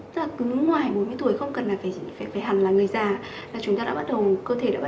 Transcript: ra cứ ngoài bốn mươi tuổi không cần là phải hẳn là người già là chúng ta đã bắt đầu cơ thể đã bắt